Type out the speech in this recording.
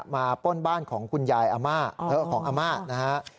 มาป้นบ้านของคุณยายอำมาตย์และของอำมาตย์นะฮะ